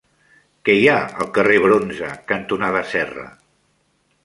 Què hi ha al carrer Bronze cantonada Serra?